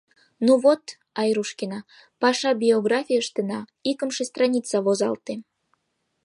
Ну, вот, Айрушкина, паша биографийыштына икымше страница возалте.